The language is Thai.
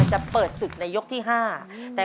สวัสดีครับ